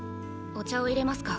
お茶をいれますか？